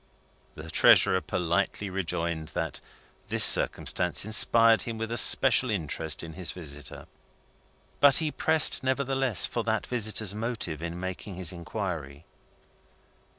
The Treasurer politely rejoined that this circumstance inspired him with a special interest in his visitor. But he pressed, nevertheless for that visitor's motive in making his inquiry.